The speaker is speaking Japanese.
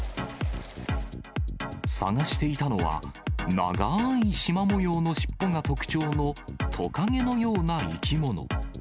捜していたのは、長いしま模様の尻尾が特徴のトカゲのような生き物。